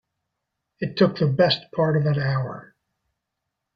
It took the best part of an hour.